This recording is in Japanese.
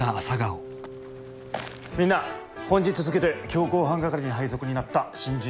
みんな本日付で強行犯係に配属になった新人さん。